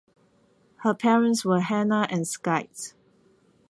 Her parents were Hannah and Sykes.